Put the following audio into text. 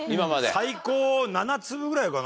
最高７粒ぐらいかな？